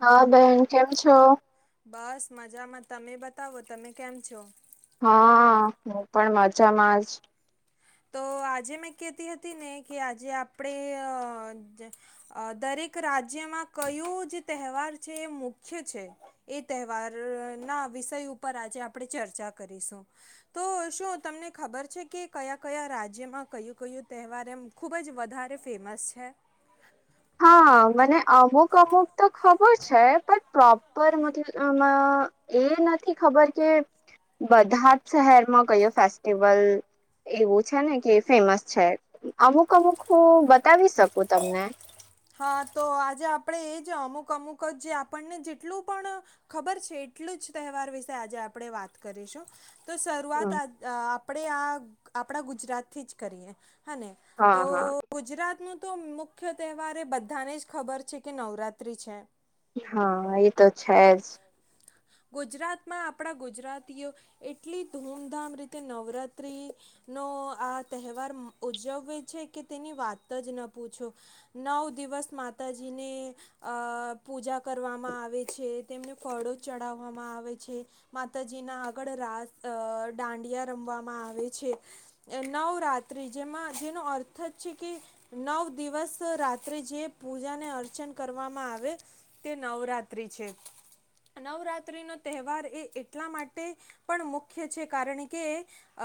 હા બહેન, કેમ છો? બસ મજામાં, તમે બતાવો તમે કેમ છો? હા હું પણ મજામાં જ. તો આજે મેં કેતી હતી ને કે આજે આપણે અ અ દરેક એક રાજ્યમાં કયુ જ તહેવાર છે એ મુખ્ય છે એ તહેવાર ના વિષય ઉપર આજે આપણે ચર્ચા કરીશું. તો શું તમને ખબર છે કે કયા કયા રાજ્યમાં કયું કયું તહેવાર એમ ખુબ જ વધારે ફેમસ છે? હા મને અમુક અમુક તો ખબર છે પણ પ્રોપર મતલબ અ અ એ નથી ખબર કે બધા જ શહેરમાં કયો ફેસ્ટિવલ એવું છે ને કે ફેમસ છે. અમુક અમુક હું બતાવી શકું તમને. હા, તો આજે આપડે એ જ અમુક અમુક જ જે આપણને જેટલું પણ ખબર છે એટલું જ તહેવાર વિશે આજે આપડે વાત કરીશું. તો શરૂઆત આ આપડે આ આપડા ગુજરાતથી જ કરીએ હને તો ગુજરાતનું તો મુખ્ય તહેવાર બધાને જ ખબર છે કે નવરાત્રી છે. હા એ તો છે જ. હ [inaudible] ગુજરાતમાં આપણા ગુજરાતીઓ એટલી ધૂમધામ રીતે નવરાત્રિ નો ને આ તહેવાર ઉજવવે છે કે તેની વાત જ ન પૂછો. નવ દિવસ માતાજી ને અ પૂજા કરવામાં આવે છે, તેમને ફળો ચડાવવામાં આવે છે, માતાજી ના આગળ રાસ અ દાંડિયા રમવામાં આવે છે નવરાત્રિ જેમાં જેનો અર્થ જ છે કે નવ દિવસ રાત્રે જે પૂજાને અર્ચન કરવામાં આવે તે નવરાત્રિ છે. નવરાત્રિનો તહેવાર એ એટલા માટે પણ મુખ્ય છે કારણ કે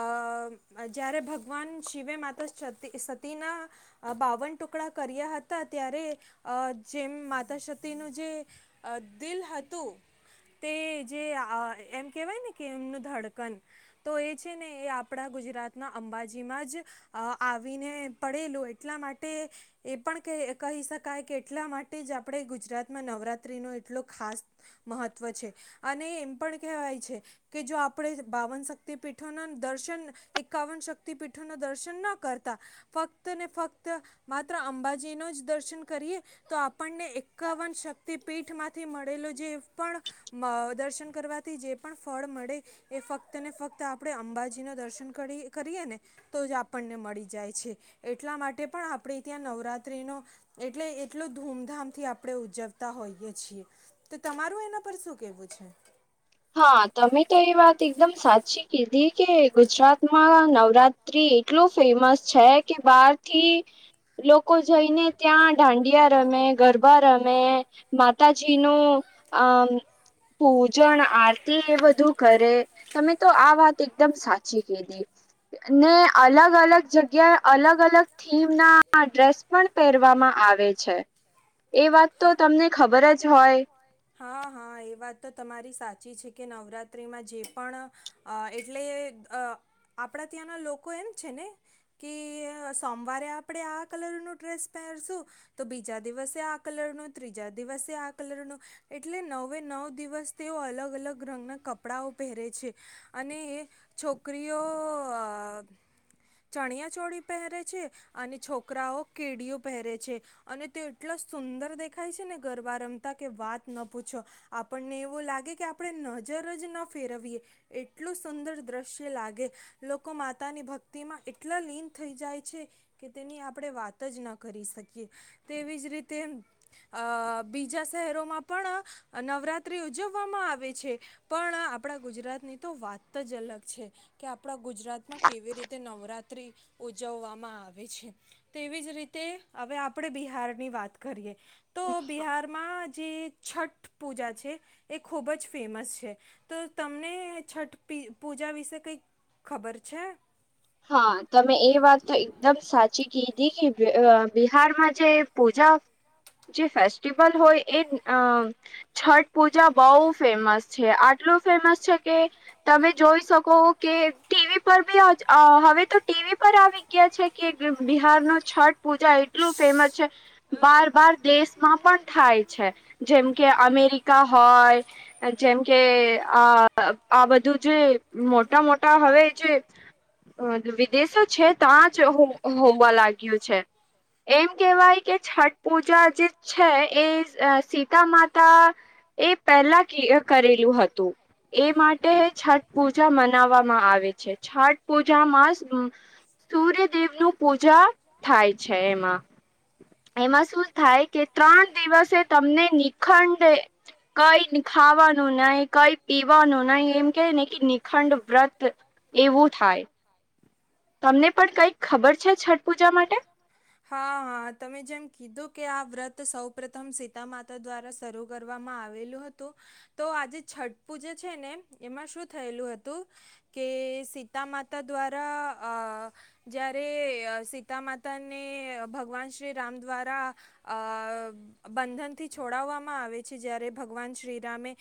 અ જ્યારે ભગવાન શિવે માતા સતી સતીના બાવન ટુકડા કર કર્યા હતા ત્યારે અ જેમ માતાશતીનું જે દિલ હતું [inaudible] તે જે અ એમ કેહેવાય ને કે એમનું ધડકન તો એ છે ને એ આપડા ગુજરાત ગુજરાત ના અંબાજીમાં જ અ આવીને પડેલું એટલા માટે એ પણ કહી શકાય કે એટલા માટે જ આપણે ગુજરાતમાં નવરાત્રી નો એટલો ખાસ મહત્ત્વ છે અને એમ પણ કહેવાય છે કે જો આપણે બાવન શક્તિ પીઠોના દર્શ છે ને એકાવન શક્તિ પીઠો દર્શન ના કરતા ફક્ત ને ફક્ત માત્ર અં બાજી નો જ દર્શન કરીએ તો આપણને એકાવન શક્તિ પીઠમાંથી મળેલું જે પણ અ દર્શન કરવાથી જે પણ ફળ મળે એ ફક્ત ને ફક્ત આપણે અંબાજીનો દર્શન કરી કરીએ ને તો જ આપણને મળી જાય છે. એટલા માટે પણ આપણે ત્યાં નવરા ત્રી નો એટલે એટલો ધૂમધામથી આપણે ઉજવતા હોઈએ છીએ. તો તમારા મારું એના પર શું કેવું છે? હા, તમે તો એ વાત એકદમ સાચી કીધી કે ગુજરાતમાં નવરાત્રી એટલું ફેમસ છે કે બારથી લોકો જઈને ત્યાં દાંડિયા રમે, ગરબા રમે, માતાજી નું આમ પૂજણ આરતી એ બધું કરે. તમે તો આ વાત એકદમ સાચી કીધી. ને અલગ-અલગ જગ્યા અલગ-અલગ થીમ ના ડ્રેસ પણ પહેરવામાં આવે છે. એ વાત તો તમને હા હા એ વાત તો તમારી સા ચી છે કે નવરાત્રિમાં જે પણ અ એટલે અ આપડા ત્યાંના લોકો એમ છે ને કે સોમવારે આપણેે આ કલર નું ડ્રેસ પહે રસુ તો બીજા દિવસે આ કલર નું ત્રીજા દિવસ આ કલરનો એટલે નવે નવ દિવસ તેઓ અલગ-અલગ રંગના કપડાઓ પહેરે છે. અને એ છોકરીઓ ચણિયા ચોળી પહેરે છે અને છોકરાઓ કેડીયુ પહેરે છે અને તે એટલા સુંદર દેખાય છે ને ગરબ વા રમતા કે વાત ન પૂછો આપણને એવો લાગે કે આપણે નજર જ ના ફેરવીએ. એટલું સુંદર દ્રશ્ય લાગે લોકો માતાની ભક્તિમાં એટલા લીન થઈ જાય છે કે તેની આપણે વાત જ ના કરી શકીએ તેવીજ રીતે અ બીજા શહેરોમાં પણ નવરાત્રી ઉજવવામાં આવે છે પણ આપણા ગુજરાત ની તો વાત જ અલગ છે કે આપણા ગુજરાતમાં કેવી રીતે નવરાત્રી ઉજવવામાં આવે છે‌ તેવી જ રીતે હવે આપણે બિહારની વાત કરીએ તો બિહારમાં જે છઠ પૂજા છે એ ખૂબ જ ફેમસ છે તો તમને છઠ પ પૂજા વિશે કઈક ખબર છે? હા તમે એ વાત તો એકદમ સાચી કીધી કે બિહારમાં જે પૂજા નાફ [unintelligible] જે ફેસ્ટિવલ હોય એ છઠ પૂજા બહુ ફેમસ છે આ એટલું ફેમસ છે કે તમે જોઈ શકો કે ટીવી પરબી અ હવે તો ટીવી પર આવી ગયા છે‌કે બિહાર ન છઠ પૂજા એટલું ફેમસ છે બાર-બાર દેશમાં પણ થાય છે જેમ કે અમેરિકા હોય જેમ કે અ આ બધું જે મોટા-મોટા હવે જે વિદેશો છે ત્યાં જ હોમવા લાગ્યું છે. એમ કેહેવાય કે છઠ પૂજા જે છે એ સીતા માતા એ પહેલા કે કરેલું હતું એ માટે છઠ પૂજા મનાવામાં આવે છે છટ પૂજા માસ સૂર્યદેવ નું પૂજા થાય છે એમાં એમાં શું થાય કે ત્રણ દિવસે તમને નિખંડ કઈ ખાવાનું નહીિ કઈ પીવાનું નહીિ એમ કે ને કે નિખંડ વ્રત એવું થાય. તમને પણ કઈક ખબર છે છઠ પૂજા માટે? વ્રત સૌ પ્રથમ સીતા માતા દ્વારા શરૂ કરવામાં આવેલું હતું તો આજે છઠ પૂજા છે ને એમાં શું થયેલું હતું કે સીતા માતા દ્વારા અ જ્યારે સીતામાતાને ભગવાન શ્રી રામ દ્વારા અ બંધન થી છોડાવવામાં આવે છે જયારે ભગવાન શ્રીરામે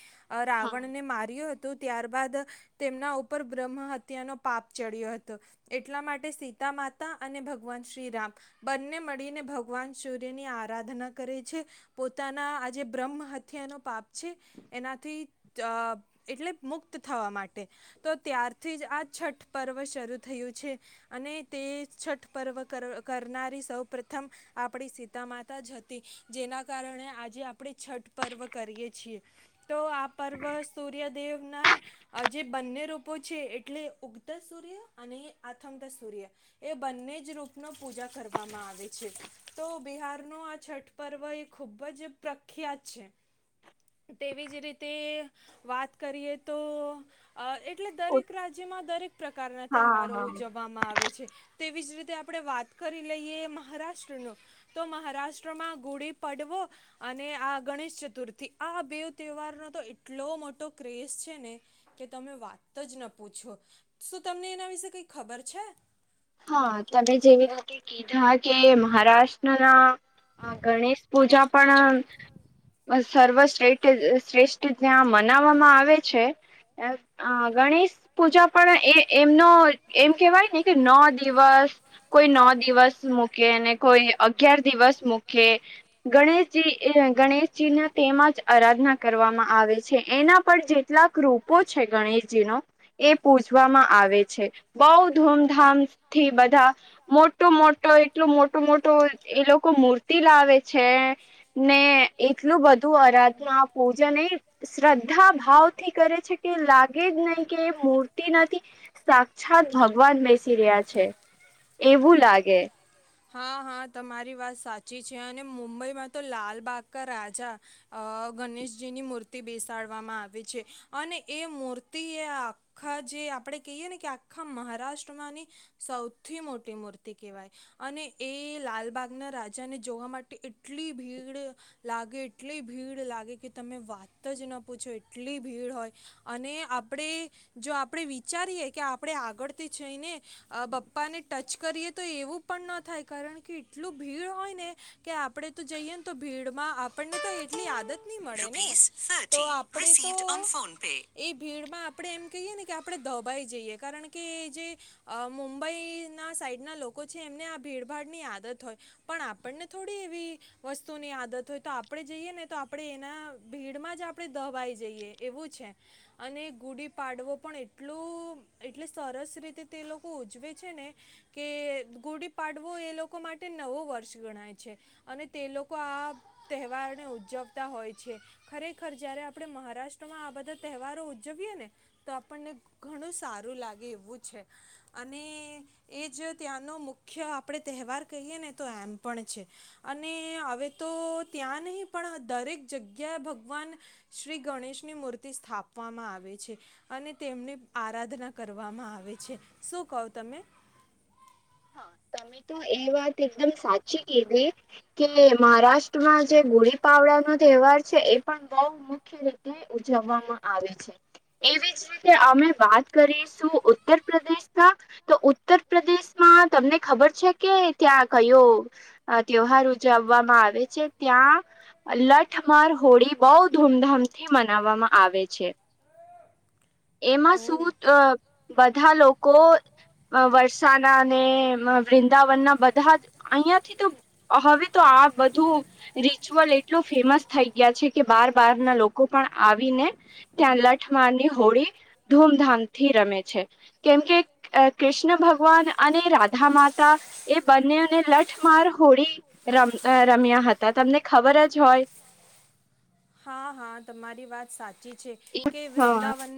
રાવણ ને માર્યો હતોું ત્યારબાદ તેમના ઉપર બ્રહ્મ હત્યા નો પાપ ચડ્યો હતો એટલા માટે સીતા માતા અને ભગવાન શ્રીરામ બંને મળીને ભગવાન સૂર્યની આરાધના કરે છે પોતાના આજ બ્રહ્મ હત્યા નો પાપ છે એનાથી અ એટલે મુક્ત થવા માટે તો ત્યારથી જ આ છઠ પર્વ શરૂ થયું છે અને તે છઠ પર્વ કરનારી સૌ પ્રથમ આપણી સીતા માતા જ હતી જેને ના કારણે આજે આપડે છઠ પર્વ કરીએ છીએ તો આ પર્વ સૂર્ય દેવના જે બંને રૂપો છે એટલે ઉગતા સૂર્ય અને આથમતા સૂર્ય એ બંને જ રૂપ નો પૂજા કરવામાં આવે છે તો બિહાર નો આ છઠ પર્વ ખુબ જ પ્રખ્યાત છે. તેવી જ રીતે વાત કરીએ તો અ એક એટલે દરેક રાજ્યમાં દરેક પ્રકારના તહેવારો ઉજવવામાં આવે છે. તેવી જ રીતે આપણે વાત કરી લઈએ મહારાષ્ટ્ર નો તો મહારાષ્ટ્રમાં ગોડીી પડવા અને આ ગણેશ ચતુર્થી આ બેવ તહેવાર નો તો એટલો મોટો ક્રેસ છે ને કે તમે વાત જ ન પૂછો શું તમને એના વિશે કંઈક ખબર છે. હા તમે જેવી રીતે કીધા કે મહારાષ્ટ્રના હ ગણેશ પૂજા પણ આ સર્વશ્રે્ઠ આ શ્રેષ્ઠ ત્યાં મનાવવામાં આવે છે. આ ગણેશ પૂજા પણ એ એમનો એમ કેહેવાયને કે નો દિવસ કોઈ નો દિવસ મૂકે ને કોઈ અગિયાર દિવસ મૂકે ગા ગણેશજી ગણેશજીને તેમાં જ આરાધના કરવામાં આવે છે એના પર જેટલાક કૃપા પો છે ગણેશજી નો એ પૂજવામાં આવે છે બહુ ધૂમધામ થી બધા મોટો મોટો એટલું મોટું મોટું એ લોકો મૂર્તિ લાવે છે. છે ને એટલું બધું આરાધના પૂજન એ શ્રદ્ધા ભાવ થી કરે છે. તે લાગે જ નહીં કે એ મૂર્તિ નથી સાક્ષાત ભગવાન બેસી રહ્યા છે એવું લાગે. હા હા તમારી વાત સાચી છે અને મુંબઈમાં તો લાલબાગ ક રાજા આ અ ગણેશજીની મૂર્તિ બેસાડવામાં આવે છે અને એ મૂર્તિ એ આખા જે આપણેે કહીએ ને કે આખા મહારાષ્ટ્રમાંની સૌથી સૌથી મોટી મૂર્તિ કહેવાય અને એ લાલબાગના રાજાને જોવા માટે એટલી ભીડ ભીડ લાગે એટલી ભીડ લાગે કે તમે વાત જ ના પૂછો એટલી ભીડ હોય. અને આપણે જો આપણે વિચારીએ કે આપણે આગળથી જઈને આ બપ્પા ને ટચ કરીએ તો એવું પણ ન થાય કારણ કે એટલું ભીડ હોય ને કે આપણેે તો જઈએ ને તો ભીડમાં આપણને તો એટલી આદત નહી મળે ને તો આપણે તો એ ભીડમાં આપણે એમ કહીએ ને કે આપણે દબાઈ જઈએ કારણ કે એ જે મુંબઈ ના સાઈડ ના લોકો છે એમને આ ભીડભાડ ની આદત હોય પણ આપણને થોડી એવી વસ્તુની આદત હોય તો આપણે જઈએ ને તો આપડણે એના ભીડમાં જ આપણે દવાઈ જઈએ એવું છે. અને ગુડી પાડવો પણ એટલું એટલે સરસ રીતે તે લોકો ઉજવે છે ને ને કે ગોડી પાડવો એ લોકો માટે નવો વર્ષ ગણાય છે અને તે લોકો આ તહેવારને ઉજવતા હોય છે ખરેખર જય્યારે આપણે મહારાષ્ટ્રમાં આ બધા તહેવારો ઉજવીએ ને તો આપણને ઘણું સારું લાગે એવું છે અને એ જ ત્યાંનો મુખ્ય આપણે તહેવાર કહીએ ને તો એમ પણ છે અને આ હવે તો ત્યાં નહી પણ દરેક જગ્યાએ ભગવાન શ્રી ગણેશની મૂર્તિ ર્તિ સ્થાપવામાં આવે છે અને તેમની આરાધના કરવામાં આવે છે શું કહો તમ તમે. તમે તો એ વાત એકદમ સાચી કીધી કે મહારાષ્ટ્રમાં જે ગોળી પાવડા નો તહેવાર છે એ પણ બહું મુખ્ય રીતે ઉજવવામાં આવે છે. એવી જ રીતે અમે વાત કરીશું ઉત્તર પ્રદેશના તો ઉત્તર પ્રદેશ માં તમને ખબર છે કે ત્યાં કયો ત્યોહાર આ ઉજવવામાં આવે છે ત્યાં હા લઠમાર હોળી બહું ધૂમધામથી મનાવવામાં આવે છે. [inaudible] એમાં શું આ બધા લોકો વરસાદ ના ને વૃંદાવન ના બધા અહિયાં થી તો હવે તો આ બધું રિચ્યુઅલ એટલો ફેમસ થઈ ગયા છે કે બાર બાર ના લોકો પણ આવીને ત્યાં લટ માની હોળી ધૂમધામથી રમે છે કેમ કે કૃષ્ણ ભગવાન અને રાધા માતા એ બંનેને લઠ માર હોળી રમ રમ્યા હતા. તમને ખબર જ હોય. હા હા તમારી વાત સાચી છે કે વૃંદાવન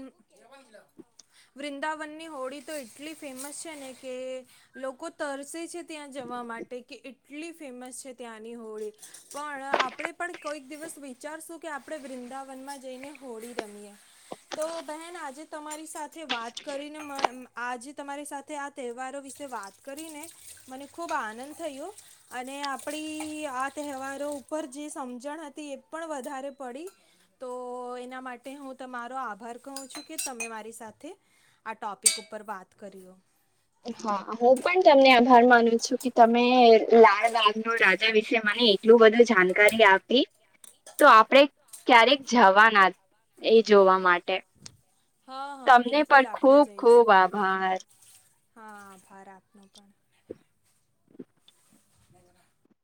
[inaudible] વૃંદાવનની હોળી તો એટલી ફેમસ છે ને કે લોકો તરસે છે ત્યાં જવા માટે કે એ એટલી ફેમસ છે ત્યાંની હોળી પણ આપણે પણ કોઈક દિવસ વી વિચારશું કે આપણે વૃંદાવનમાં જઈને હોળી રમીએ તો બહેન આજે તમારી સાથ વાત કરીને મ આજે તમારી સાથે આ તહેવારો વિશે વાત કરીને મને ખૂબ આનંદ થયો અને આપડી આ તહેવારો ઉપર જે સમજણ હતી એ પણ વધારે પડી તો એના માટે હું તમારો આભાર કહું છું કે તમે મારી સાથે આ ટોપિક ઉપર ઉપ વાત કર્યો હા હું પણ તમને આભાર માનું છું કે તમે લાલબાગ નો રાજા વિશે એટલું બધું જાણકારી આપી તો આપણેે ક્યારેક જવાના એ જોવા માટે તમને પણ ખુબ ખુબ આભાર હા આભાર આપનો પણ